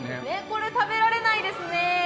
これ食べられないですね。